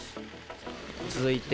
続いて、